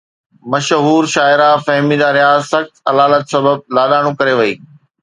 مشهور شاعره فهميده رياض سخت علالت سبب لاڏاڻو ڪري وئي